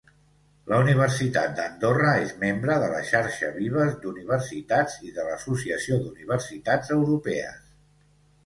La Universitat d'Andorra és membre de la Xarxa Vives d'Universitats i de l'Associació d'Universitats Europees.